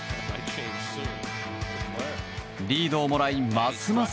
リードをもらいますます